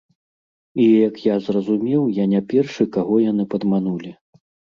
І, як я зразумеў, я не першы, каго яны падманулі.